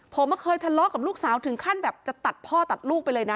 ผมเคยทะเลาะกับลูกสาวถึงขั้นแบบจะตัดพ่อตัดลูกไปเลยนะ